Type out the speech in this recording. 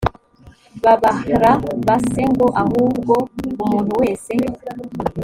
babah ra ba se ngo ahubwo umuntu wese